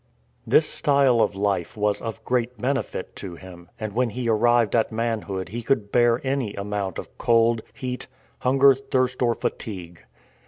This style of life was of great benefit to him, and when he arrived at manhood he could bear any amount of cold, heat, hunger, thirst, or fatigue.